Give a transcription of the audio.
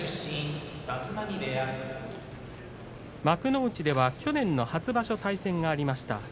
幕内では去年の初場所対戦がありました。